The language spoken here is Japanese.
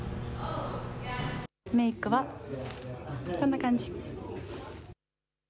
メークは、こんな感じ。